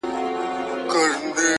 • راځه د ژوند په چل دي پوه کړمه زه ـ